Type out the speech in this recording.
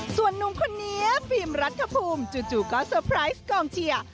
ส่วนนุ่มคนนี้ฟิล์มรัฐภูมิจู่ก็เตอร์ไพรส์กองเชียร์